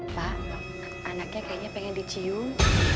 pak anaknya kayaknya pengen dicium